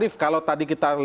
untuk lewat ofasi j fel